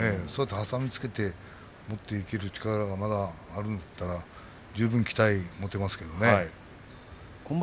挟みつけて持っていける力がまだあるんだったら十分期待を持てますけどね。